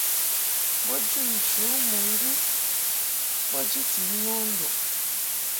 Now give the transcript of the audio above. Bo jun nchǔ mɨŋgwi bo jiti no nduʼ.